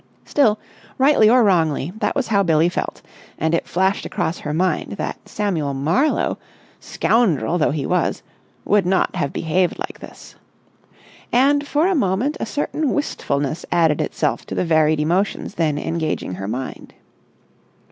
Still, rightly or wrongly, that was how Billie felt; and it flashed across her mind that Samuel Marlowe, scoundrel though he was, would not have behaved like this. And for a moment a certain wistfulness added itself to the varied emotions then engaging her mind.